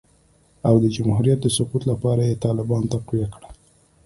او د جمهوریت د سقوط لپاره یې طالبان تقویه کړل